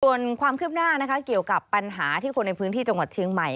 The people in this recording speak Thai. ส่วนความคืบหน้านะคะเกี่ยวกับปัญหาที่คนในพื้นที่จังหวัดเชียงใหม่